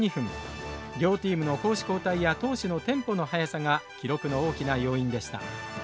両チームの攻守交代や投手のテンポの速さが記録の大きな要因でした。